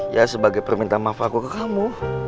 ya sebagai permintaan maaf aku ke kamu